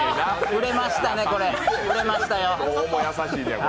売れましたよ。